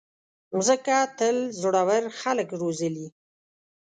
مځکه تل زړور خلک روزلي.